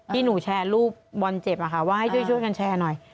ที่หนูแชร์รูปบอลเจ็บอะค่ะว่าให้ช่วยกันแชร์หน่อย